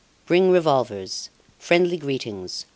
Bring revolvers. Friendly greetings.